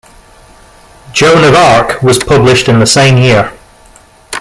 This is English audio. "Joan of Arc" was published in the same year.